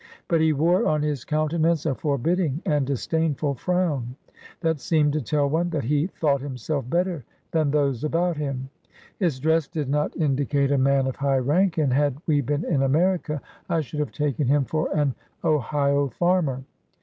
But he wore on his countenance a forbidding and disdainful frown, that seemed to tell one that he thought himself better than those about him. His dress did not indi AN AMERICAN BONDMAN. 87 cate a man of high rank, and had we been in America, I should have taken him for an Ohio farmer.